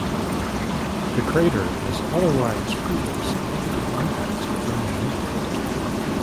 The crater is otherwise free of significant impacts within the rim.